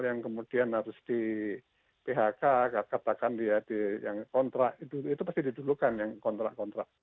yang kemudian harus di phk katakan dia yang kontrak itu pasti didulukan yang kontrak kontrak